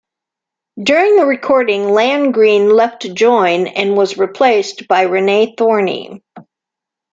During the recording Landgreen left to join and was replaced by Rene Thorny.